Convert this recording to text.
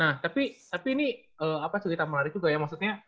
nah tapi ini cerita menarik juga ya maksudnya